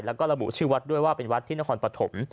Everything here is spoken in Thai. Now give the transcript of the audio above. แล้วก็ระบุชื่อวัดด้วยว่าเป็นวัดที่นครปฐม